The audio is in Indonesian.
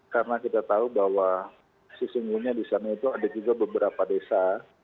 karena kita tahu bahwa sesungguhnya di sana itu ada juga beberapa desa